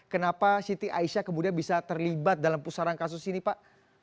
kenapa siti aisyah kemudian bisa terlibat dalam pusaran kasus ini pak